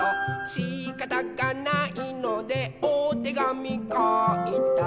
「しかたがないのでおてがみかいた」